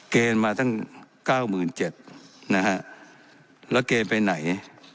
เกณฑ์มาตั้งเก้าหมื่นเจ็ดนะฮะแล้วเกณฑ์ไปไหน